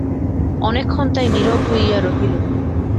অনেকক্ষণ তাই নীরব হইয়া রহিল।